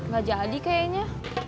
gak jadi kayaknya